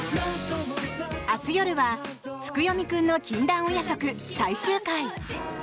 明日夜は「月読くんの禁断お夜食」最終回。